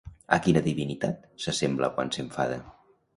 A quina divinitat s'assembla quan s'enfada?